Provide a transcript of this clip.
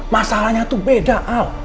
masalahnya tuh beda al